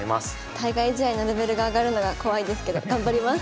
対外試合のレベルが上がるのが怖いですけど頑張ります。